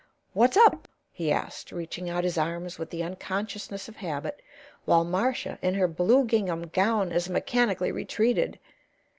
"What's up?" he asked, reaching out his arms with the unconsciousness of habit, while Marcia, in her blue gingham gown, as mechanically retreated.